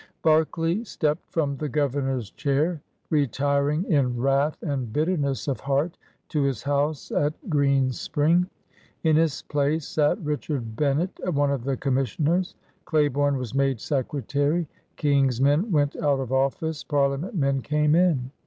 Berkeley stepped from the Governor's chair, re tiring in wrath and bitterness of heart to his house W2 PIONEERS OP THE OLD SOUTH at Greenspring. In his place sat Richard Bennett, one of the Commissioners. Claiborne was made Secretary. King's men went out of office; Pariia ment men came in.